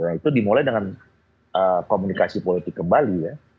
nah itu dimulai dengan komunikasi politik kembali ya